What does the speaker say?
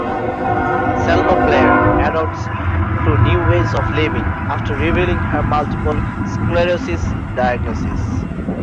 Selma Blair adapts to new ways of living after revealing her multiple sclerosis diagnosis.